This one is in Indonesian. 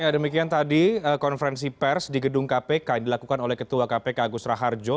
ya demikian tadi konferensi pers di gedung kpk yang dilakukan oleh ketua kpk agus raharjo